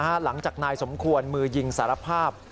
หลังจากนายสมควรมือยิงสารภาพ